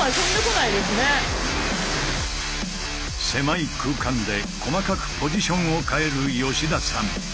狭い空間で細かくポジションを変える吉田さん。